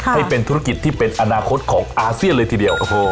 ให้เป็นธุรกิจที่เป็นอนาคตของอาเซียนเลยทีเดียว